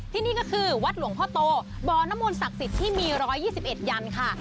ที่นี่ก็คือวัดหลวงพ่อโตบนมสักศิษย์ที่มี๑๒๑ยันตร์ค่ะ